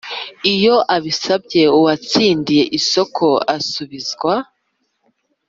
Iyo abisabye uwatsindiye isoko asubizwa